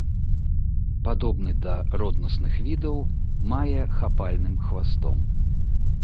Падобны да роднасных відаў, мае хапальным хвастом.